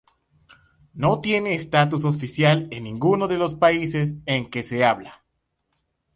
No tiene estatus oficial en ninguno de los países en que se habla.